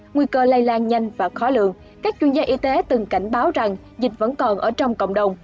nguy cơ lây lan nhanh và khó lường các chuyên gia y tế từng cảnh báo rằng dịch vẫn còn ở trong cộng đồng